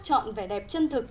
chọn vẻ đẹp chân thực